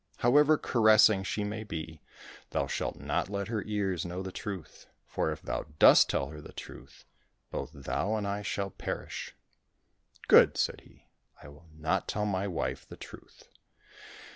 However caressing she may be, thou shalt not let her ears know the truth, for if thou dost tell her the truth, both thou and I shall perish !"" Good !'' said he. " I will not tell my wife the truth."